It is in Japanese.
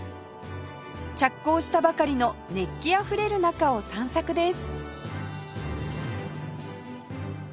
着工したばかりの熱気あふれる中を散策です